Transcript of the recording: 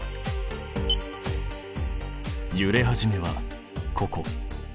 ゆれ始めはここ。